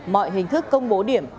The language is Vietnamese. mọi hình thức công bố điểm